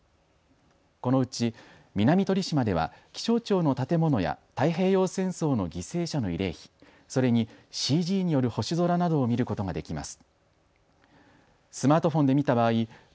このうち南鳥島では気象庁の建物や太平洋戦争の犠牲者の慰霊碑、それにＣＧによる星空などを見ることができます。